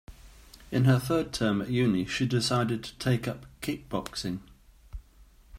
In her third term at uni she decided to take up kickboxing